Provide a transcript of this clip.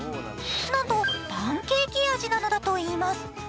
なんとパンケーキ味なのだといいます。